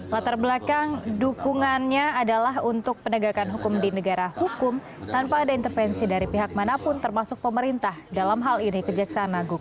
latar belakang dukungannya adalah untuk penegakan hukum di negara hukum tanpa ada intervensi dari pihak manapun termasuk pemerintah dalam hal ini kejaksaan agung